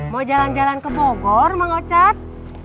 mau jalan jalan ke bogor mang ocat